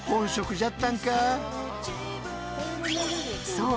そう！